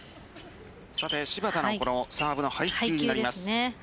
芝田のサーブの配球を見ます。